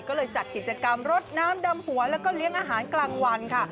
ก็เลยจัดกิจกรรมรดน้ำดำหัวแล้วก็เลี้ยงอาหารกลางวันค่ะ